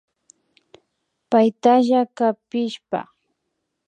Paytalla kapishpa